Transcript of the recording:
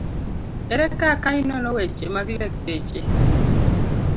Ere kaka inono weche mag lakteche